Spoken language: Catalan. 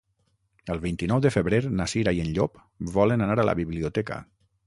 El vint-i-nou de febrer na Cira i en Llop volen anar a la biblioteca.